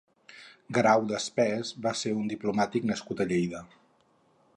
Guerau de Espés va ser un diplomàtic nascut a Lleida.